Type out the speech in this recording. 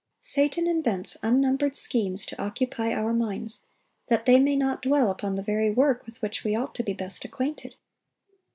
Satan invents unnumbered schemes to occupy our minds, that they may not dwell upon the very work with which we ought to be best acquainted.